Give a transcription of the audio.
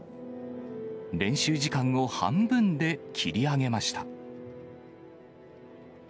練習時間を半分で切り上げました。